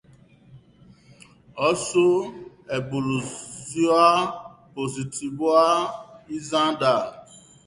Oso eboluzio positiboa izan da.